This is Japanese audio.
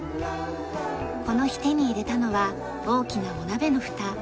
この日手に入れたのは大きなお鍋のフタ。